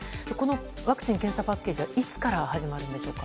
ワクチン・検査パッケージはいつから始まるんですか？